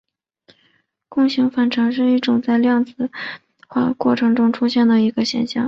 共形反常是一种在量子化过程中出现的一个现象。